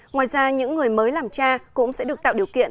ngoài ra những người mới làm cha cũng sẽ được tạo điều kiện